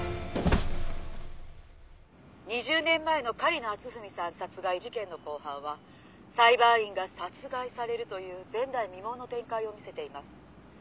「２０年前の狩野篤文さん殺害事件の公判は裁判員が殺害されるという前代未聞の展開を見せています」